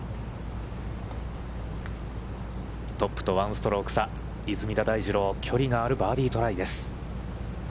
トップと１ストローク差、出水田大二郎、距離があるバーディートライです。